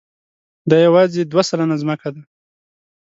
دا یواځې دوه سلنه ځمکه ده.